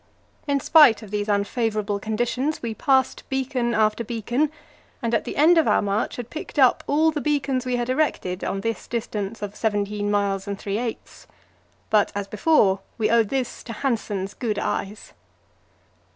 In spite of these unfavourable conditions, we passed beacon after beacon, and at the end of our march had picked up all the beacons we had erected on this distance of seventeen miles and three eighths. But, as before, we owed this to Hanssen's good eyes.